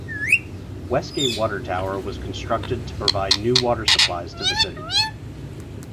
Westgate Water Tower was constructed to provide new water supplies to the city.